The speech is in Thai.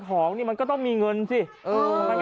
กลับมาพร้อมขอบความ